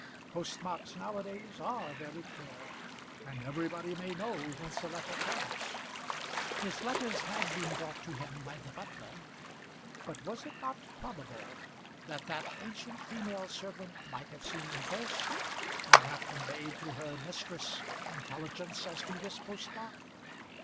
Post marks now a days are very clear, and everybody may know whence a letter comes. His letters had been brought to him by the butler; but was it not probable that that ancient female servant might have seen them first, and have conveyed to her mistress intelligence as to this post mark?